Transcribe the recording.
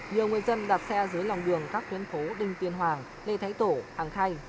nhiều người dân đạp xe dưới lòng đường các tuyến phố đinh tiên hoàng lê thái tổ hàng khay